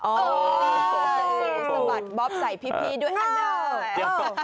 สมบัติบ๊อบใส่พี่พีชด้วยอันน่า